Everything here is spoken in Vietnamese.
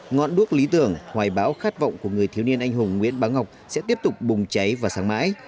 ngọn đuốc lý tưởng hoài bão khát vọng của người thiếu niên anh hùng nguyễn bá ngọc sẽ tiếp tục bùng cháy vào sáng mãi